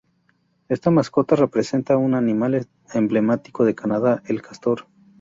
Esta mascota representa a un animal emblemático de Canadá: el castor.